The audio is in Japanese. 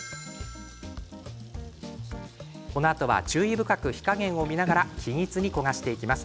このあとは注意深く火加減を見ながら均一に焦がしていきます。